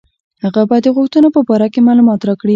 هغه به د غوښتنو په باره کې معلومات راکړي.